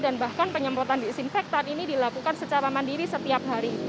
dan bahkan penyemprotan disinfektan ini dilakukan secara mandiri setiap hari